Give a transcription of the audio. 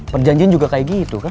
perjanjian juga kayak gitu kan